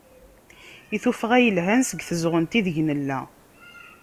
I tuffɣa yelhan seg tezɣent ideg nella.